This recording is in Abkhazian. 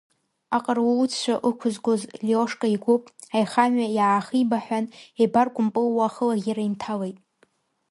Аҟарулцәа ықәызгоз Лиошка игәыԥ, аихамҩа иаахибаҳәан, еибаркәымпылуа ахылаӷьара инҭалеит.